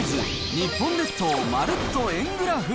日本列島まるっと円グラフ。